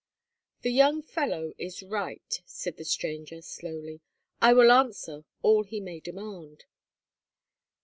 "The young fellow is right," said the stranger, slowly. "I will answer all he may demand."